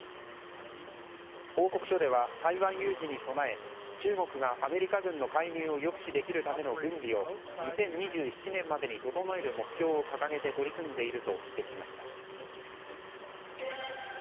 報告書では、台湾有事に備え中国がアメリカ軍の介入を抑止できるための軍備を２０２７年までに整える目標を掲げて取り組んでいると指摘しました。